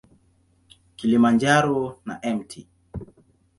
Kilimanjaro na Mt.